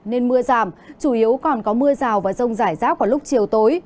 nên mưa giảm chủ yếu còn có mưa rào và rông rải rác vào lúc chiều tối